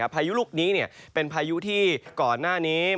พายุลูกนี้เป็นพายุที่ก่อนหน้านี้